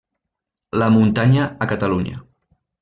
La muntanya a Catalunya.